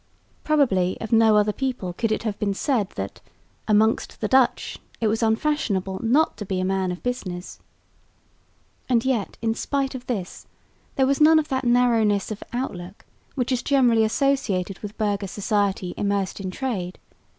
Probably of no other people could it have been said that "amongst the Dutch it was unfashionable not to be a man of business." And yet, in spite of this, there was none of that narrowness of outlook, which is generally associated with burgher society immersed in trade.